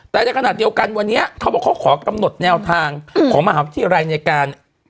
แต่ในขณะเดียวกันวันนี้เขาบอกเขาขอกำหนดแนวทางของมหาวิทยาลัยในการ